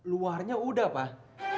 luarnya udah pak